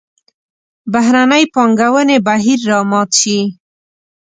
بهرنۍ پانګونې بهیر را مات شي.